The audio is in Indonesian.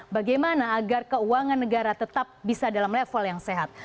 bagaimana agar keuangan negara tetap bisa dalam level yang sehat